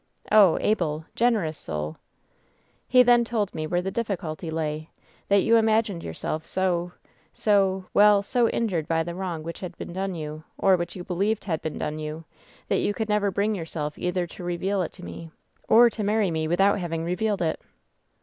"Oh, Abel ! Generous soul !" "He then told me where the difficulty lay — ^that you imagined yourself so — so — ^well, so injured by the wrong which had been done you — or which you believed had been done you — ^that you could never bring yourself WHEN SHADOWS DIE 258 either to reveal it to me, or to marry me without having revealed it."